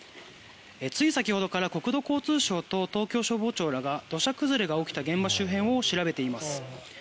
つい先ほどから国土交通省と東京消防庁らが土砂崩れが起きた現場周辺を調べています。